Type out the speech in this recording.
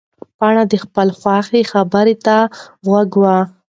پاڼه د خپلې خواښې خبرو ته غوږ وه.